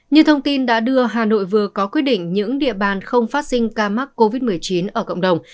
như thông tin đã đưa hà nội vừa có quyết định những địa bàn không phát sinh ca mắc covid một mươi chín ở cộng đồng